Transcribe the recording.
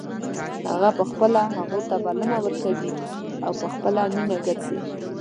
هغه په خپله هغو ته بلنه ورکوي او په خپله مینه ګرځي.